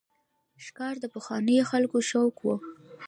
ښکار د پخوانیو خلکو شوق و.